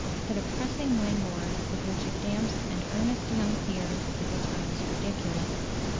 The depressing languor with which it damps an earnest young peer is at times ridiculous.